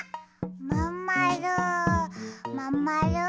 まんまるまんまる？